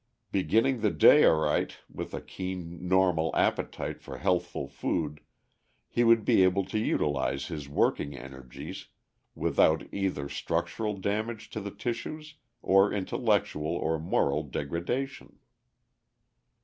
Beginning the day aright, with a keen normal appetite for healthful food, he would be able to utilize his working energies without either structural damage to the tissues, or intellectual or moral degradation."